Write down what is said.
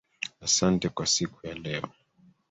Asante kwa siku ya leo.